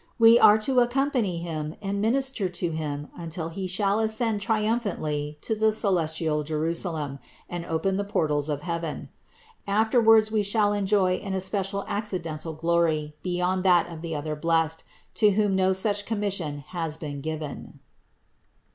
We are to accompany Him and minister to Him until He shall ascend triumphantly to the celestial Jerusalem and open the portals of heaven; afterwards we shall enjoy an especial accidental glory beyond that of the other blessed, to whom no such commission has been given."